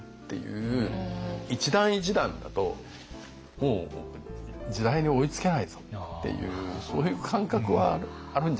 一段一段だともう時代に追いつけないぞっていうそういう感覚はあるんじゃないですかね。